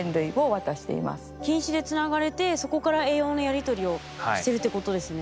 菌糸でつながれてそこから栄養のやり取りをしてるってことですね。